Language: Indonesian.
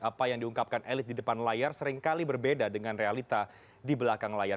apa yang diungkapkan elit di depan layar seringkali berbeda dengan realita di belakang layar